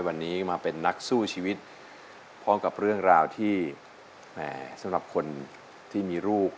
วันนี้มาเป็นนักสู้ชีวิตพร้อมกับเรื่องราวที่แหมสำหรับคนที่มีลูก